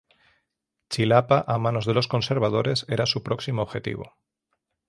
Chilapa a manos de los conservadores, era su próximo objetivo.